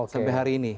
sampai hari ini